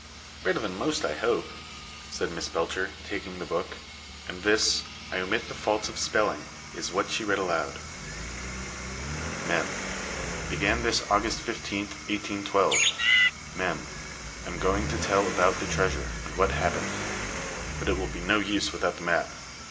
"Better than most, I hope," said Miss Belcher, taking the book; and this I omit the faults of spelling is what she read aloud Mem. Began this August 15th, 1812. Mem. Am going to tell about the treasure, and what happened. But it will be no use without the map.